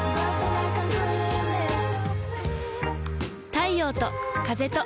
太陽と風と